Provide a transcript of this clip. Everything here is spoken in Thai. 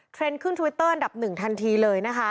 เทรนด์ขึ้นทวิตเตอร์อันดับ๑ทันทีเลยนะคะ